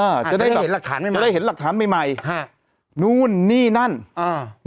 จะได้เห็นหลักฐานใหม่ใหม่ได้เห็นหลักฐานใหม่ใหม่ฮะนู่นนี่นั่นอ่า